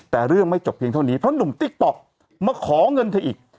แต่เรื่องไม่จบเพียงเท่านี้เพราะหนุ่มติ๊กต๊อกมาขอเงินเธออีก